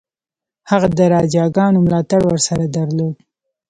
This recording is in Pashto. هغه د راجاګانو ملاتړ ورسره درلود.